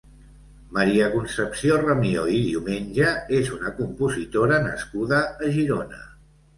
Maria Concepció Ramió i Diumenge és una compositora nascuda a Girona.